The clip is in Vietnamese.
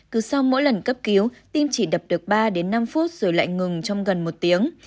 cứ sau mỗi lần cấp cứu tim chỉ đập được ba đến năm phút rồi lại ngừng trong gần một tiếng